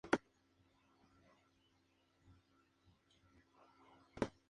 El Gurú, instruyó a sus seguidores para construir escuelas con propósitos religiosos.